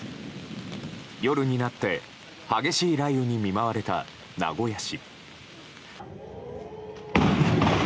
夜になって激しい雷雨に見舞われた名古屋市。